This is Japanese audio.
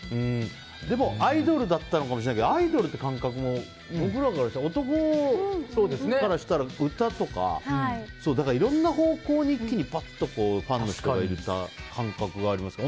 でもアイドルだったのかもしれないけどアイドルっていう感覚も男からしたら歌とかいろんな方向に一気にいった感覚がありますけど。